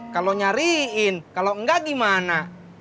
kalau nyariin kalau enggak gimana